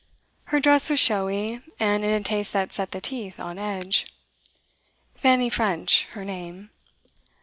Her dress was showy, and in a taste that set the teeth on edge. Fanny French, her name.